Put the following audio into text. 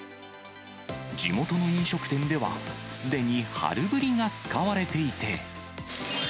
地元の飲食店では、すでに春ぶりが使われていて。